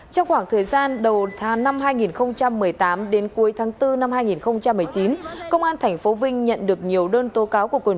trong khoảng thời gian đầu năm hai nghìn một mươi tám đến cuối tháng bốn năm hai nghìn một mươi chín công an tp vinh nhận được nhiều đơn tố cáo của quân